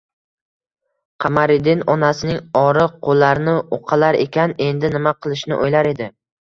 Qamariddin onasining oriq qo‘llarini uqalar ekan, endi nima qilishni o‘ylar edi